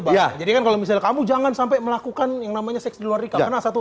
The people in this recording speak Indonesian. bahwa jadikan kalau misal kamu jangan sampai melakukan yang namanya seks di luar nikah satu